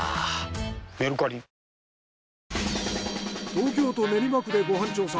東京都練馬区でご飯調査。